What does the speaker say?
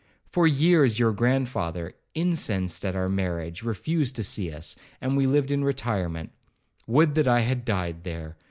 For years your grandfather, incensed at our marriage, refused to see us, and we lived in retirement,—would that I had died there.